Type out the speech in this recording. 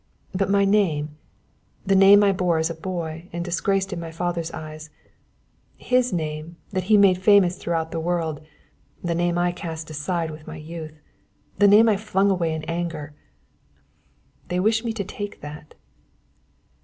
But my name, the name I bore as a boy and disgraced in my father's eyes, his name that he made famous throughout the world, the name I cast aside with my youth, the name I flung away in anger, they wish me to take that."